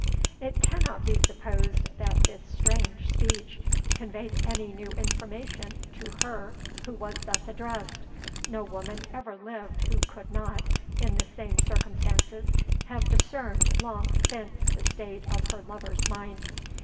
It cannot be supposed that this strange speech conveyed any new information to her who was thus addressed. No woman ever lived who could not, in the same circumstances, have discerned long since the state of her lover's mind.